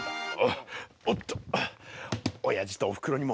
おっとおやじとおふくろにも報告しないと。